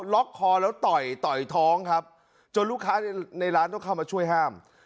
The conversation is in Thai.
ล็อกคอแล้วต่อยต่อยท้องครับจนลูกค้าในร้านต้องเข้ามาช่วยห้าม